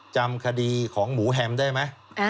จำคดีของหมูแฮมได้ไหม